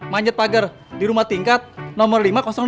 manjat pagar di rumah tingkat nomor lima ratus dua